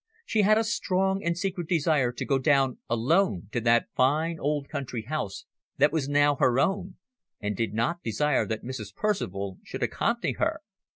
She had a strong and secret desire to go down alone to that fine old country house that was now her own, and did not desire that Mrs. Percival should accompany her.